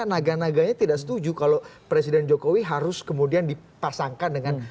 naga naganya tidak setuju kalau presiden jokowi harus kemudian dipasangkan dengan